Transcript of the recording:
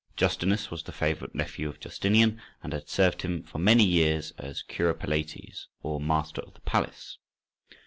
Justinus was the favourite nephew of Justinian, and had served him for many years as Curopalates, or Master of the Palace.